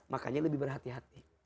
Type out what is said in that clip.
makanya lebih berhati hati